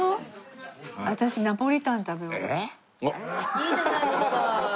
いいじゃないですか。